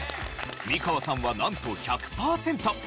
美川さんはなんと１００パーセント。